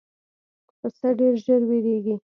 پسه ډېر ژر وېرېږي.